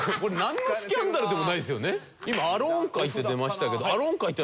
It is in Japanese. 今アローン会って出ましたけど。